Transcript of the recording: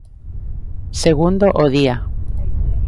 Segundo o día.